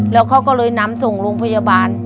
แล้วเขาก็เลยนำส่งโรงพยาบาล